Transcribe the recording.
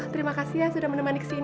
terima kasih ya sudah menemani ke sini